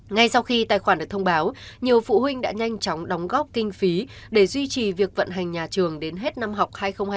ngay sau khi tài khoản được thông báo nhiều phụ huynh đã nhanh chóng đóng góp kinh phí để duy trì việc vận hành nhà trường đến hết năm học